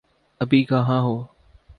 ابھی کہاں ہو؟